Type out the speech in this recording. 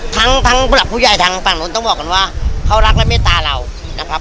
ทั้งประหลักผู้ใหญ่ทั้งฝั่งโน้นต้องบอกกันว่าเขารักและเมตตาเรา